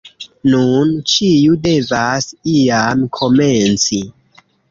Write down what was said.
Nun, ĉiu devas iam komenci